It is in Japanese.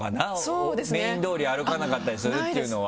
メイン通り歩かなかったりするっていうのは。